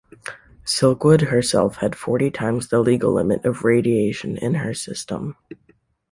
Silkwood herself had forty times the legal limit of radiation in her system.